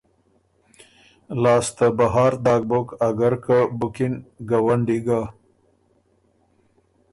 لاسته بهر داک بُک اګر که بُکِن ګوَنډي ګۀ۔